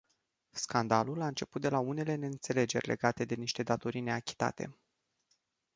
Scandalul a început de la unele neînțelegeri legate de niște datorii neachitate.